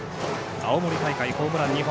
青森大会、ホームラン２本。